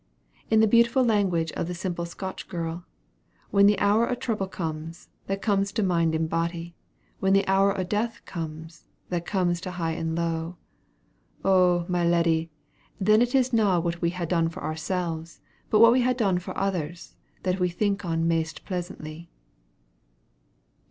In the beautiful language of the simple Scotch girl, "When the hour o' trouble comes, that comes to mind and body, and when the hour o' death comes, that comes to high and low, oh, my leddy, then it is na' what we ha' done for ourselves, but what we ha' done for others, that we think on maist pleasantly."